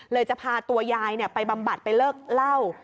เลยจะพาตัวยายเนี่ยไปบำบัดไปเลิกเล่า